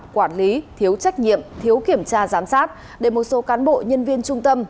quản lý thiếu trách nhiệm thiếu kiểm tra giám sát để một số cán bộ nhân viên trung tâm